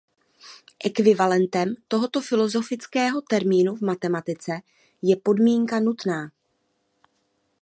Ekvivalentem tohoto filosofického termínu v matematice je „podmínka nutná“.